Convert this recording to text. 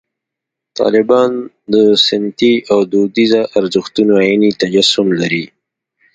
طالبان د سنتي او دودیزو ارزښتونو عیني تجسم لري.